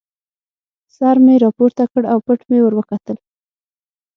سر مې را پورته کړ او پټ مې ور وکتل.